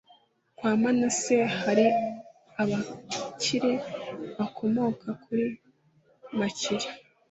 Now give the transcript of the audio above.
kwa manase hari abamakiri bakomokaga kuri makiri.